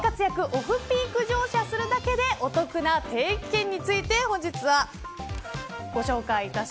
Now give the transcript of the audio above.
オフピーク乗車するだけでお得な定期券についてカモン、カモン。